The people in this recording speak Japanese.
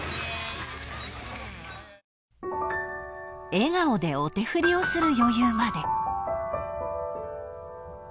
［笑顔でお手振りをする余裕まで］